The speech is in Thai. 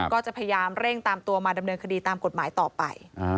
ก็จะพยายามเร่งตามตัวมาดำเนินคดีตามกฎหมายต่อไป